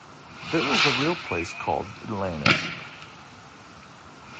There is a real place called Atlantis.